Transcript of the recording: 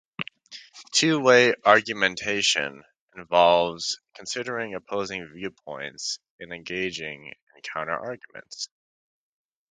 Two-way argumentation involves considering opposing viewpoints and engaging in counter-arguments.